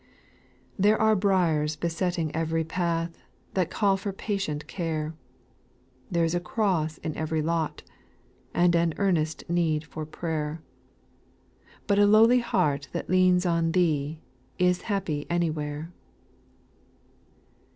/ 7./ There ar^ l^riars besetting every path, That call for patient care, There is a cross in every lot, And an earnest need for prayer ; But a lowly heart that leans on Thee, Is happy anywhere.